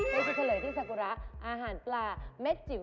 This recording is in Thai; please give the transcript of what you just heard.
เป็นจะเฉลยที่สากุระอาหารปลาเม็ดจิ๋ว